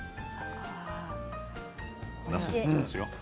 なすいきますよ。